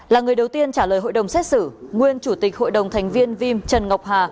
là người đầu tiên trả lời hội đồng xét xử nguyên chủ tịch hội đồng thành viên vim trần ngọc hà